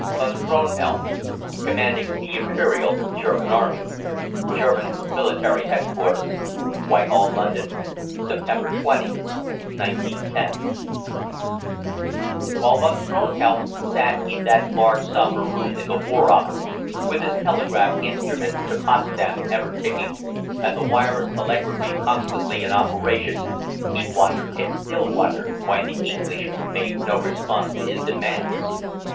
=VON KRONHELM, Commanding the Imperial German Army.= GERMAN MILITARY HEADQUARTERS, WHITEHALL, LONDON, September 20, 1910. While Von Kronhelm sat in that large sombre room in the War Office, with his telegraph instrument to Potsdam ever ticking, and the wireless telegraphy constantly in operation, he wondered, and still wondered, why the English made no response to his demands.